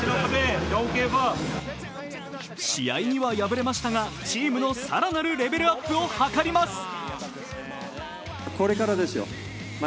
試合には敗れましたがチームの更なるレベルアップを図ります。